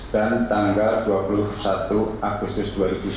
dan tanggal dua puluh satu agustus dua ribu sembilan belas